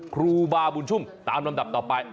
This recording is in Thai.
ครูบาบุญชุ่มตามลำดับต่อไป